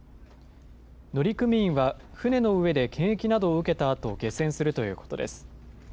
乗組員は船の上で検疫などを受けたあと、下船するということです。